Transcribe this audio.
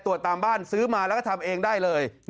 ตามบ้านซื้อมาแล้วก็ทำเองได้เลย